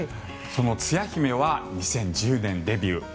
そのつや姫は２０１０年デビュー。